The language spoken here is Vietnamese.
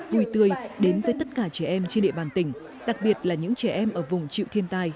vui tươi đến với tất cả trẻ em trên địa bàn tỉnh đặc biệt là những trẻ em ở vùng triệu thiên tai